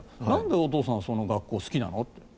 何でお父さんあの学校が好きなの？